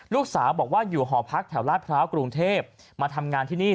ลูกสาวบอกว่าอยู่หอพักแถวลาดพร้าวกรุงเทพมาทำงานที่นี่